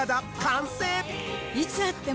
いつ会っても。